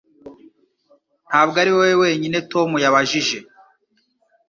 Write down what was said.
Ntabwo ari wowe wenyine Tom yabajije